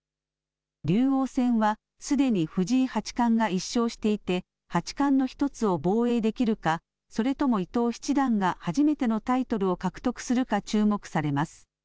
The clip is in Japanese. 竜王戦はすでに藤井八冠が１勝していて八冠の１つを防衛できるか、それとも伊藤七段が初めてのタイトルを獲得するか注目されます。